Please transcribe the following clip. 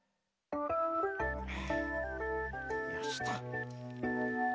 よしと。